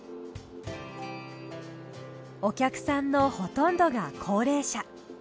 お客さんのほとんどが高齢者。